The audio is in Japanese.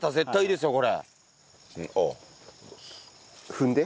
踏んで。